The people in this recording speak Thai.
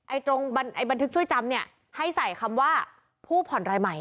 ตรงบันทึกช่วยจำเนี่ยให้ใส่คำว่าผู้ผ่อนรายใหม่